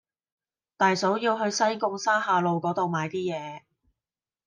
大嫂要去西貢沙下路嗰度買啲嘢